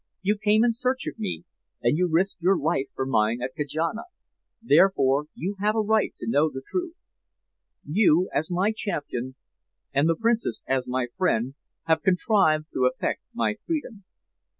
You came in search of me, and you risked your life for mine at Kajana, therefore you have a right to know the truth. You, as my champion, and the Princess as my friend, have contrived to effect my freedom.